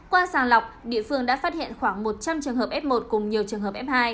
qua sàng lọc địa phương đã phát hiện khoảng một trăm linh trường hợp f một cùng nhiều trường hợp f hai